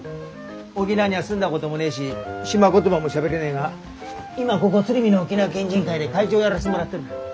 沖縄には住んだこともねえし島言葉もしゃべれねえが今はここ鶴見の沖縄県人会で会長をやらせてもらってる。